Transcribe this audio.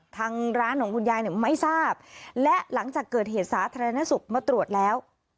ทางร้านของคุณยายเนี่ยไม่ทราบและหลังจากเกิดเหตุสาธารณสุขมาตรวจแล้ว